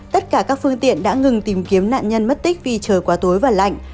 tất cả các phương tiện đã ngừng tìm kiếm nạn nhân mất tích vì trời quá tối và lạnh